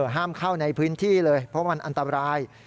ห้ามเข้าในพื้นที่เลยเพราะมันอันตราย